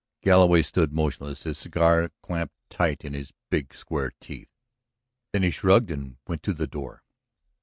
Galloway stood motionless, his cigar clamped tight in his big square teeth. Then he shrugged and went to the door.